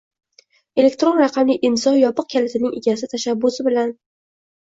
Elektron raqamli imzo yopiq kalitining egasi tashabbusi bilan